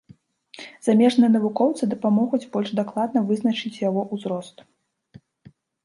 Замежныя навукоўцы дапамогуць больш дакладна вызначыць яго ўзрост.